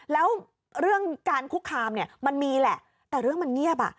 แล้วเรื่องการคุกคามเนี่ยมันมีแหละแต่เรื่องมันเงียบ